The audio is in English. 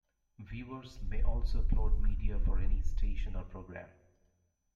Viewers may also upload media for any station or program.